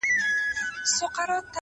o دښایستونو خدایه اور ته به مي سم نیسې ـ